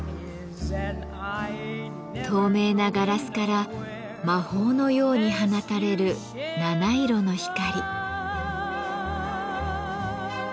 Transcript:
透明なガラスから魔法のように放たれる７色の光。